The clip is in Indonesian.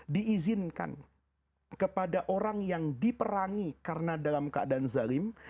diizinkan kepada orang yang diperangi karena dalam keadaan zalim